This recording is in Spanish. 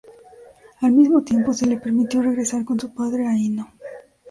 Al mismo tiempo se le permitió regresar con su padre a Hino.